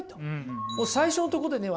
最初のとこでね